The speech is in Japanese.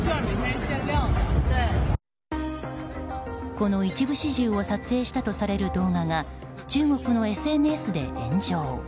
この一部始終を撮影したとされる動画が中国のＳＮＳで炎上。